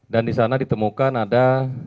dan disana ditemukan ada